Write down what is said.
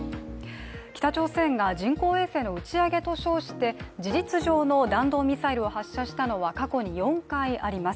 北朝鮮が人工衛星の打ち上げと称して事実上の弾道ミサイルを発射したのは過去に４回あります。